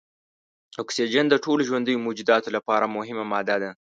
اکسیجن د ټولو ژوندیو موجوداتو لپاره مهمه ماده ده.